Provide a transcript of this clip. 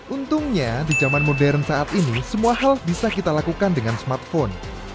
untungnya di zaman modern saat ini semua hal bisa kita lakukan dengan smartphone